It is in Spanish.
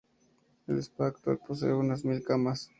El spa actual posee unas mil camas.